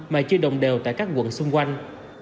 mà chưa đồng đều tại các quận xung quanh